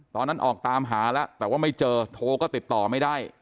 ตอนนั้นออกตามหาแล้วแต่ว่าไม่เจอโทรก็ติดต่อไม่ได้